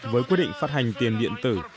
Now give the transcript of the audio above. với quyết định phát hành tiền điện tử